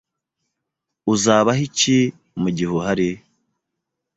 Uzabaho iki mugihe uhari?